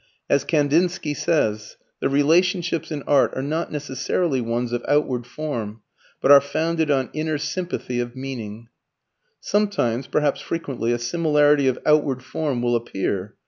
As Kandinsky says: "the relationships in art are not necessarily ones of outward form, but are founded on inner sympathy of meaning." Sometimes, perhaps frequently, a similarity of outward form will appear.